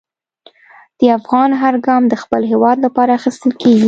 د افغان هر ګام د خپل هېواد لپاره اخیستل کېږي.